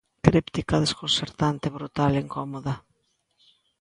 Críptica, desconcertante, brutal, incómoda.